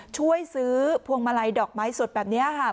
ช่วยซื้อพวงมาลัยดอกไม้สดแบบนี้ค่ะ